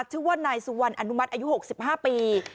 ชื่อว่านายสุวรรณอนุมัติอายุหกสิบห้าปี